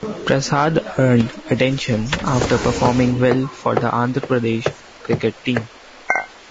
Prasad earned attention after performing well for the Andhra Pradesh cricket team.